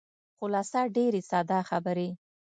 خلاصه ډېرې ساده خبرې.